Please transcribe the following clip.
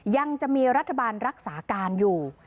ยังมีรัฐบาลรักษาการอยู่